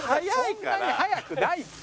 そんなに速くないって。